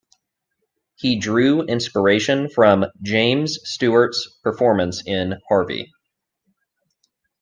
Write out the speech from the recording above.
He drew inspiration from James Stewart's performance in "Harvey".